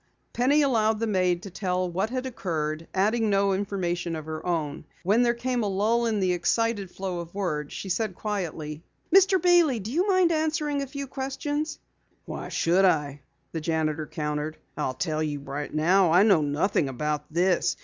Penny allowed the maid to tell what had occurred, adding no information of her own. When there came a lull in the excited flow of words, she said quietly: "Mr. Bailey, do you mind answering a few questions?" "Why should I?" the janitor countered. "I'll tell you right now I know nothing about this.